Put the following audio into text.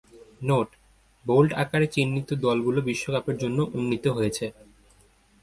Note: bold আকারে চিহ্নিত দলগুলো বিশ্বকাপের জন্য উন্নীত হয়েছে।